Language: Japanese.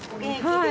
はい。